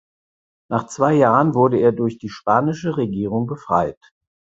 Nach zwei Jahren wurde er durch die spanische Regierung befreit.